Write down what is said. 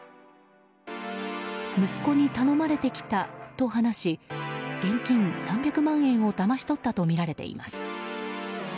息子に頼まれて来たと話し現金３００万円をだまし取ったとみられています。